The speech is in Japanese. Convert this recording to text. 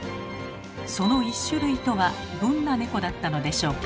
その１種類とはどんな猫だったのでしょうか？